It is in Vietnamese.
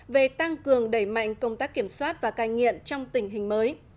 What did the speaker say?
về tăng cường đẩy mạnh công tác kiểm soát và cai nghiện trong tình hình mới